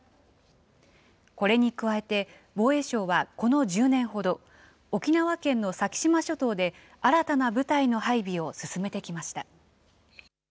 これに加えて、防衛省はこの１０年ほど、沖縄県の先島諸島で新たな部隊の配備を進めてきました。